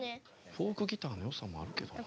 フォークギターのよさもあるけどな。